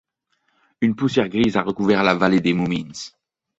Une poussière grise a recouvert la vallée des Moomins.